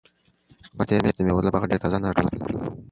ما تېره میاشت د مېوو له باغه ډېر تازه انار راټول کړل.